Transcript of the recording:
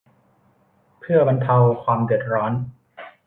เพื่อบรรเทาความเดือดร้อน